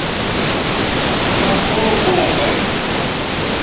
مہ کھوں پوں کش